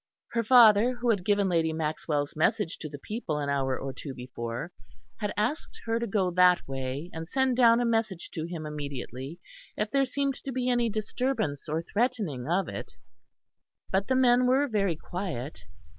Her father, who had given Lady Maxwell's message to the people an hour or two before, had asked her to go that way and send down a message to him immediately if there seemed to be any disturbance or threatening of it; but the men were very quiet.